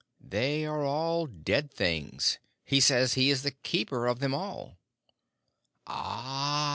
"They are all dead things. He says he is the keeper of them all." "Ah!